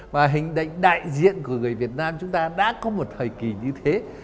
mà hình đại diện của người việt nam chúng ta đã có một thời kỳ như thế